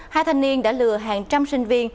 hai thanh niên đã lừa hàng trăm sinh viên